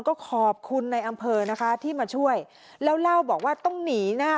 ก็ขอบคุณในอำเภอนะคะที่มาช่วยแล้วเล่าบอกว่าต้องหนีนะ